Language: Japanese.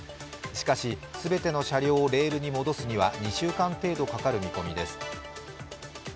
しかし、全ての車両をレールに戻すには２週間程度かかる見込みです。